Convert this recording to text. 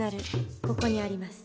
ここにあります。